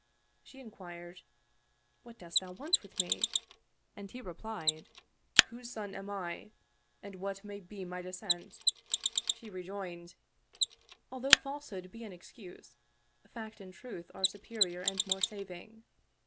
She inquired, " What dost thou want with me ?" and he replied, " Whose son am I, and what may be my descent?" She rejoined, "Although falsehood be an excuse, fact and truth are superior and more saving.